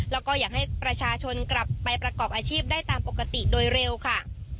แล้วก็อยากให้ประชาชนกลับไปประกอบอาชีพได้ตามปกติโดยเร็วค่ะ